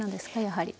やはり。